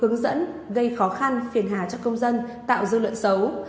hướng dẫn gây khó khăn phiền hà cho công dân tạo dư luận xấu